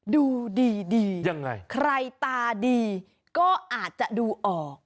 ดูดียังไงใครตาดีก็อาจจะดูออก